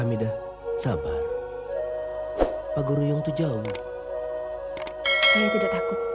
kami balik ke rumah saya